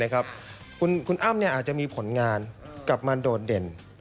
คุณอ้ำอาจจะมีผลงานกลับมาโดดเด่น